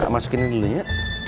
masukin ini dulunya